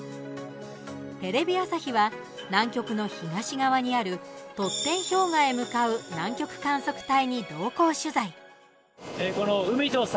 テレビ朝日は南極の東側にあるトッテン氷河へ向かう南極観測隊に同行取材。